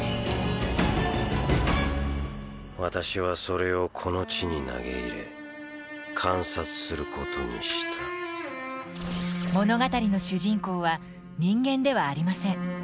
私はそれをこの地に投げ入れ観察することにした物語の主人公は人間ではありません。